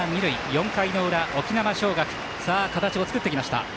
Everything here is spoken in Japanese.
４回の裏、沖縄尚学形を作ってきました。